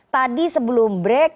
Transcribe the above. tadi sebelum break